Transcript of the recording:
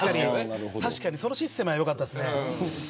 確かにそのシステムはよかったですね。